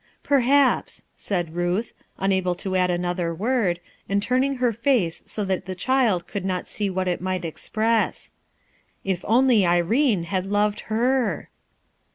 "Perhaps/* said Ruth, unable to add another word, and turning away her face so that the child could not see what it might express. If only Irene had loved her!